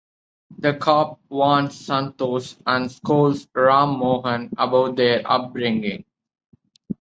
The cop warns Santosh and scolds Ram Mohan about their upbringing.